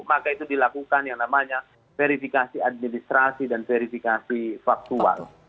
maka itu dilakukan yang namanya verifikasi administrasi dan verifikasi faktual